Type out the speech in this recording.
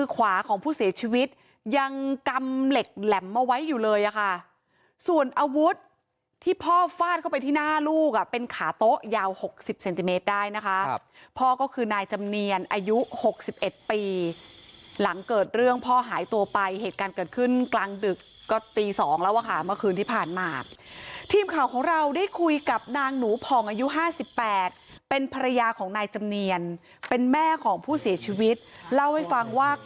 ขวาของผู้เสียชีวิตยังกำเหล็กแหลมมาไว้อยู่เลยค่ะส่วนอาวุธที่พ่อฟาดเข้าไปที่หน้าลูกเป็นขาโต๊ะยาว๖๐เซนติเมตรได้นะคะพ่อก็คือนายจำเนียนอายุ๖๑ปีหลังเกิดเรื่องพ่อหายตัวไปเหตุการณ์เกิดขึ้นกลางตึกก็ตี๒แล้วค่ะเมื่อคืนที่ผ่านมาทีมข่าวของเราได้คุยกับนางหนูผ่องอายุ๕๘เป็นภรรยา